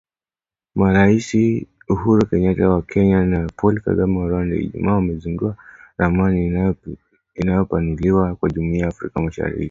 Marais Uhuru Kenyata wa Kenya na Paul Kagame wa Rwanda, Ijumaa wamezindua ramani iliyopanuliwa ya Jumuiya ya Afrika Mashariki.